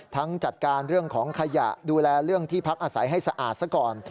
ทั้งจัดการเรื่องของขยะดูแลเรื่องที่พักอาศัยให้สะอาดซะก่อน